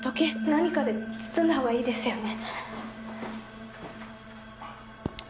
何かで包んだほうがいいですよね